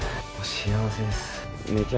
幸せです。